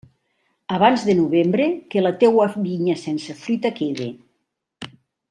Abans de novembre, que la teua vinya sense fruita quede.